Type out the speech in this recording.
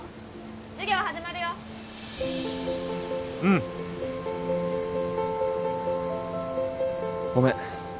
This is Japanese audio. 授業始まるようんごめん